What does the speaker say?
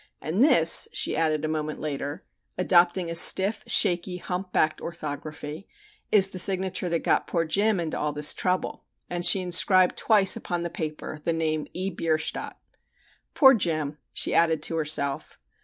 And this," she added a moment later, adopting a stiff, shaky, hump backed orthography, "is the signature that got poor Jim into all this trouble," and she inscribed twice upon the paper the name "E. Bierstadt." "Poor Jim!" she added to herself.